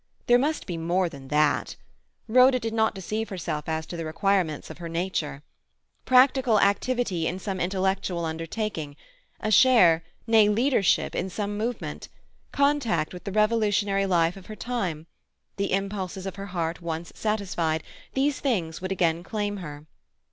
There must be more than that. Rhoda did not deceive herself as to the requirements of her nature. Practical activity in some intellectual undertaking; a share—nay, leadership—in some "movement;" contact with the revolutionary life of her time—the impulses of her heart once satisfied, these things would again claim her.